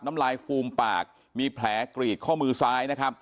น้ำลายฟูมปากมีแผลกรีดข้อมือซ้ายนะครับ